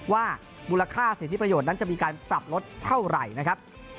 ว่ามูลค่าสิทธิประโยชน์นั้นจะมีการปรับลดเท่าไหร่นะครับ